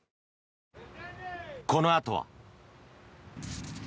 このあとは。